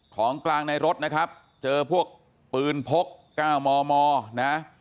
ของกลางในรถนะครับเจอพวกปืนพก๙มมนะ